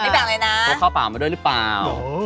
โพกข้าวเปล่ามาด้วยหรือเปล่า